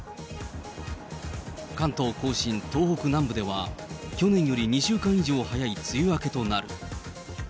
関東甲信、東北南部では、去年より２週間以上早い梅雨明けとなる。